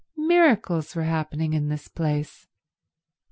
Miracles were happening in this place.